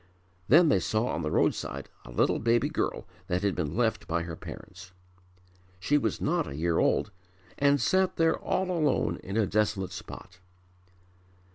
Then they saw on the road side a little baby girl that had been left by her parents. She was not a year old and sat there all alone in a desolate spot.